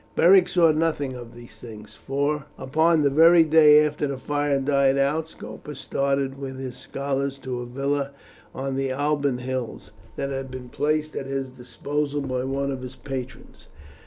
Beric saw nothing of these things, for upon the very day after the fire died out Scopus started with his scholars to a villa on the Alban Hills that had been placed at his disposal by one of his patrons.